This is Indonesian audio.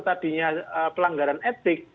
tadinya pelanggaran etik